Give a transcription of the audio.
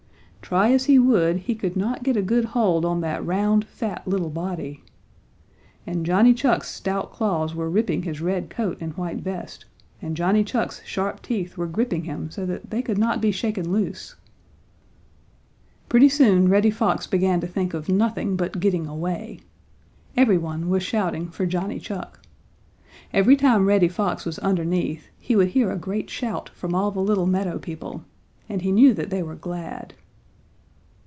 Try as he would, he could not get a good hold on that round, fat, little body. And Johnny Chuck's stout claws were ripping his red coat and white vest and Johnny Chuck's sharp teeth were gripping him so that they could not be shaken loose. Pretty soon Reddy Fox began to think of nothing but getting away. Every one was shouting for Johnny Chuck. Every time Reddy Fox was underneath, he would hear a great shout from all the little meadow people, and he knew that they were glad.